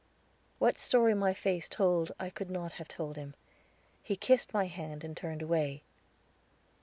What story my face told, I could not have told him. He kissed my hand and turned away.